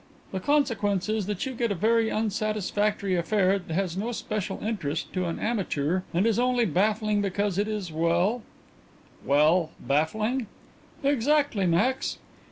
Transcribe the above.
The consequence is that you get a very unsatisfactory affair that has no special interest to an amateur and is only baffling because it is well " "Well, baffling?" "Exactly, Max.